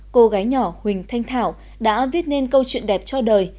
cô gái nhỏ huỳnh thanh thảo đã viết nên câu chuyện đẹp cho đời